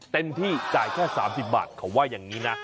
เต็มที่จ่ายแค่๓๐บาทเขาว่าอย่างนี้นะ